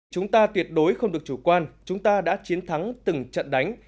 chúng ta tuyệt đối không được chủ quan chúng ta đã chiến thắng từng trận đánh